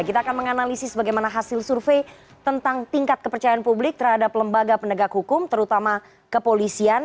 kita akan menganalisis bagaimana hasil survei tentang tingkat kepercayaan publik terhadap lembaga penegak hukum terutama kepolisian